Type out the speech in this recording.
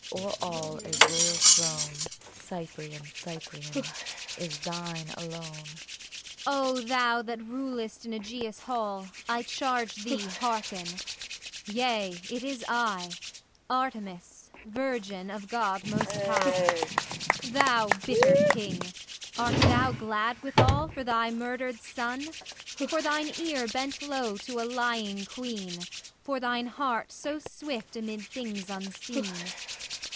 O'er all a royal throne, Cyprian, Cyprian, is thine alone! A VOICE FROM THE CLOUD O thou that rulest in Aegeus' Hall, I charge thee, hearken! Yea, it is I, Artemis, Virgin of God most High. Thou bitter King, art thou glad withal For thy murdered son? For thine ear bent low to a lying Queen, For thine heart so swift amid things unseen?